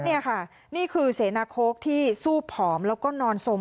นี่ค่ะนี่คือเสนาโค้กที่สู้ผอมแล้วก็นอนสม